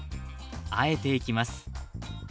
和えていきます